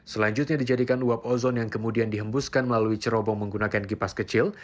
selanjutnya dijadikan uap ozon yang kemudian dihembuskan melalui cerobong menggunakan kipas kecil